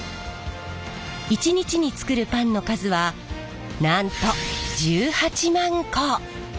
１日に作るパンの数はなんと１８万個！